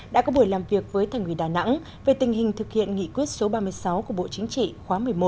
đã có buổi làm việc với thành quỳ đà nẵng về tình hình thực hiện nghị quyết số ba mươi sáu của bộ chính trị khóa một mươi một